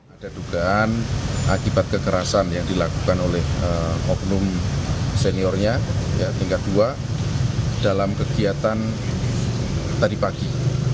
ada dugaan akibat kekerasan yang dilakukan oleh oknum seniornya tingkat dua dalam kegiatan tadi pagi